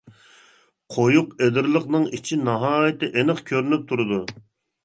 قويۇق ئېدىرلىقنىڭ ئىچى ناھايىتى ئېنىق كۆرۈنۈپ تۇرىدۇ.